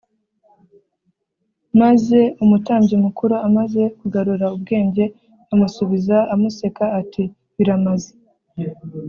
” maze umutambyi mukuru amaze kugarura ubwenge amusubiza amuseka ati, “biramaze!